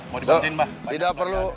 mau dibantuin pak